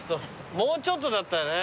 もうちょっとだったね。